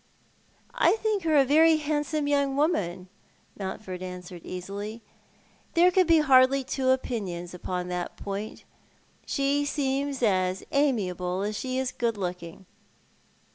"I think her a very handsome young woman," Mountford answered easily. "There could be hardly two opinions upon that point, and she Fccms as amiable as she is good looking.''